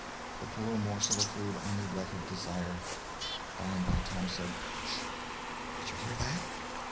The poor morsel of food only whetted desire. By and by Tom said: "SH! Did you hear that?"